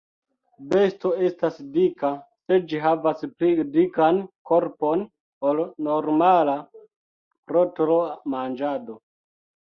Besto estas dika se ĝi havas pli dikan korpon ol normala pro troa manĝado.